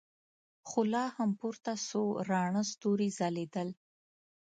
خو لا هم پورته څو راڼه ستورې ځلېدل.